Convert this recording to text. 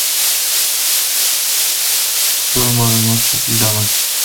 While the fighting was taking place in Libya, Axis forces were attacking Greece.